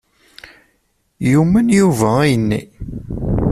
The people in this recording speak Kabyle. Yumen Yuba ayenni?